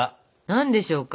何でしょうか？